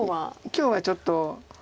今日はちょっと。